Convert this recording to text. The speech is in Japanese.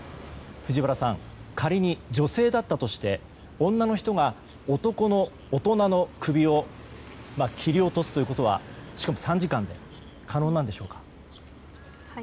藤原さん、仮に女性だったとして女の人が男の大人の首を切り落とすということはしかも３時間で可能なんでしょうか。